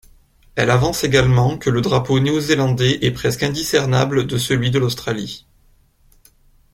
Elle avance également que le drapeau néo-zélandais est presque indiscernable de celui de l'Australie.